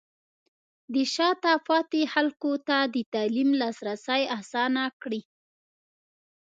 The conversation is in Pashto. د شاته پاتې خلکو ته د تعلیم لاسرسی اسانه کړئ.